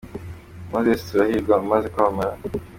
Moses Turahirwa umaze kwamamara.